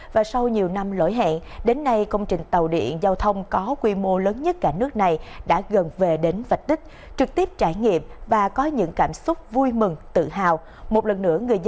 và sau nhiều năm lỗi hẹn đến nay công trình tàu điện giao thông có quy mô lớn nhất cả nước này đã gần về đến vạch tích trực tiếp trải nghiệm và có những cảm xúc vui mừng tự hào